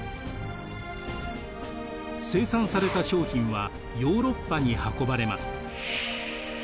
生産された商品はヨーロッパに運ばれます。